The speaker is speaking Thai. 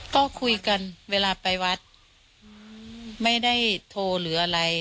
ก็คุยกันเวลาไปวัดไม่ได้โทรหรืออะไร